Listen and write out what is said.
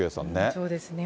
そうですね。